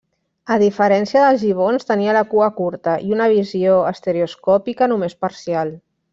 A diferència dels gibons, tenia la cua curta, i una visió estereoscòpica només parcial.